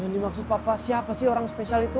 yang dimaksud papa siapa sih orang spesial itu